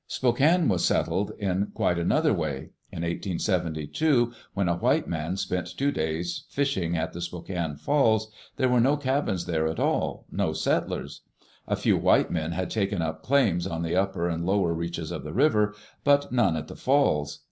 Spokane was settled in quite another way. In 1872, when a white man spent two days fishing at the Spokane Falls, there were no cabins there at all, no settlers. A few white men had taken up claims on the upper and lower reaches of the river, but none at the falls.